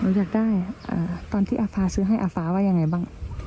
อยากได้ตอนที่อาฟ้าซื้อให้อาฟ้าว่ายังไงบ้าง